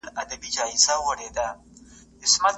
د جایداد غلا کول قانوني جرم دی.